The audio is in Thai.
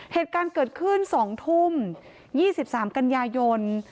เหตุการณ์เกิดขึ้น๒ทุ่ม๒๓กันยายน